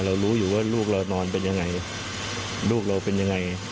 รู้อยู่ว่าลูกเรานอนเป็นยังไงลูกเราเป็นยังไง